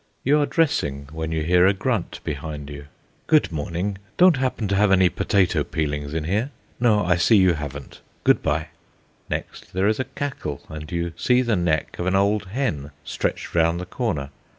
You are dressing, when you hear a grunt behind you. "Good morning! Don't happen to have any potato peelings in here? No, I see you haven't; good bye." Next there is a cackle, and you see the neck of an old hen stretched round the corner.